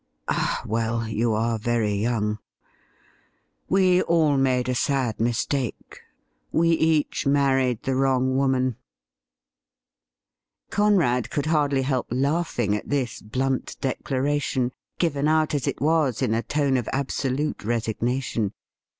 Ah, well, you are very young. We 'WILL YOU STAND IN WITH US?' 169 all made a sad mistake; we each married the wrong woman.' Conrad could hardly help laughing at this blunt declara tion, given out as it was in a tone of absolute resignation.